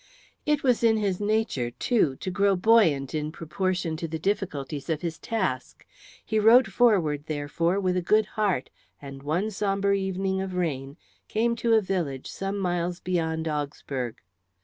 It was in his nature, too, to grow buoyant in proportion to the difficulties of his task. He rode forward, therefore, with a good heart, and one sombre evening of rain came to a village some miles beyond Augsburg.